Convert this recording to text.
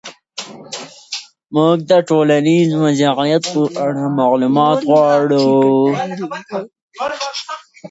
موږ د ټولنیز وضعیت په اړه معلومات غواړو.